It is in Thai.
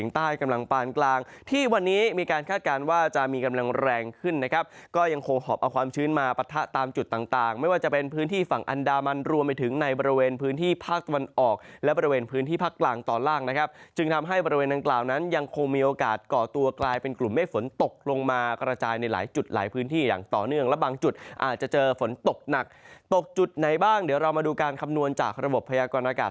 ทะตามจุดต่างไม่ว่าจะเป็นพื้นที่ฝั่งอันดามันรวมไปถึงในบริเวณพื้นที่ภาควันออกและบริเวณพื้นที่ภาคกลางต่อล่างนะครับจึงทำให้บริเวณดังกล่าวนั้นยังคงมีโอกาสก่อตัวกลายเป็นกลุ่มให้ฝนตกลงมากระจายในหลายจุดหลายพื้นที่อย่างต่อเนื่องและบางจุดอาจจะเจอฝนตกหนักตกจุดไหนบ้าง